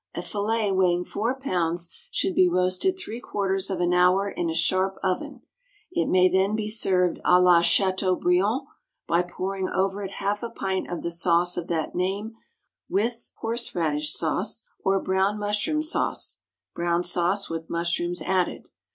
A fillet weighing four pounds should be roasted three quarters of an hour in a sharp oven. It may then be served à la Châteaubriand by pouring over it half a pint of the sauce of that name, with horseradish sauce, or brown mushroom sauce (brown sauce with mushrooms added).